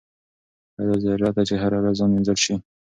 ایا دا ضروري ده چې هره ورځ ځان مینځل شي؟